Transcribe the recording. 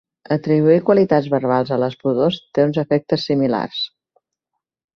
Atribuir qualitats verbals a les pudors té uns efectes similars.